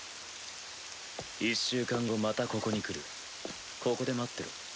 １週間後またここに来るここで待ってろ。